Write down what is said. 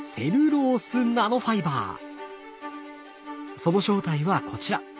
その正体はこちら。